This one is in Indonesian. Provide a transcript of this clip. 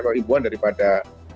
atau himbauan daripada